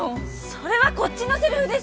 それはこっちのせりふです！